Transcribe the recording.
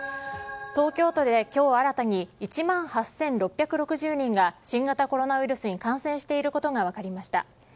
東京都で今日新たに１万８６６０人が新型コロナウイルスに感染していることが分かりました。